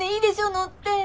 乗って。